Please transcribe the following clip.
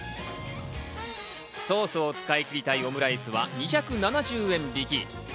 ソースを使い切りたいオムライスは、２７０円引き。